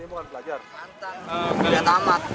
pertama kerja tamat